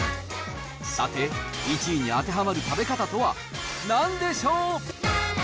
さて、１位に当てはまる食べ方とはなんでしょう。